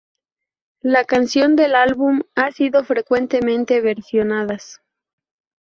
Las canciones del álbum han sido frecuentemente versionadas.